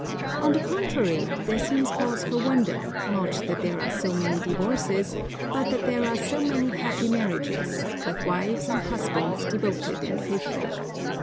On the contrary, there seems cause for wonder, not that there are so many divorces, but that there are so many happy marriages, with wives and husbands devoted and faithful.